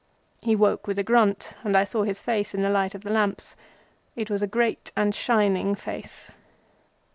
He woke with a grunt and I saw his face in the light of the lamps. It was a great and shining face.